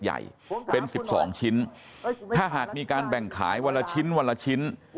ใหญ่เป็นสิบสองชิ้นถ้าหากมีการแบ่งขายวันละชิ้นวันละชิ้น